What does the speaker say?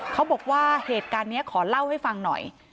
เขาบอกว่าเหตุการณ์นี้ขอเล่าให้ฟังหน่อย